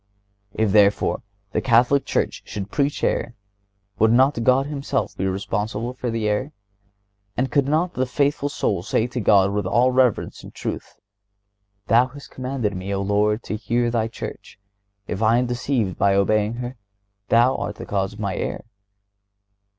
If, therefore, the Catholic Church could preach error, would not God Himself be responsible for the error? And could not the faithful soul say to God with all reverence and truth: Thou hast commanded me, O Lord, to hear Thy Church; if I am deceived by obeying her, Thou art the cause of my error?